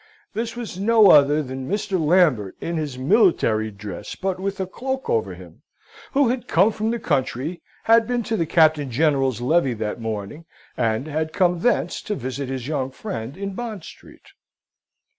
This was no other than Mr. Lambert, in his military dress, but with a cloak over him, who had come from the country, had been to the Captain General's levee that morning, and had come thence to visit his young friend in Bond Street.